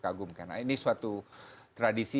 kagum karena ini suatu tradisi